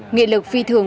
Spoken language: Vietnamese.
nghị lực phi thường